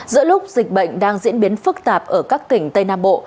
giữa lúc dịch bệnh đang diễn biến phức tạp ở các tỉnh tây nam bộ